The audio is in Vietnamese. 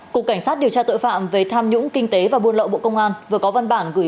cục cảnh sát điều tra tội phạm về tham nhũng kinh tế và buôn lậu bộ công an vừa có văn bản gửi